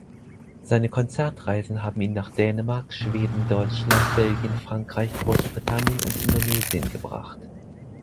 Seine Konzertreisen haben ihn nach Dänemark, Schweden, Deutschland, Belgien, Frankreich, Großbritannien und Indonesien gebracht.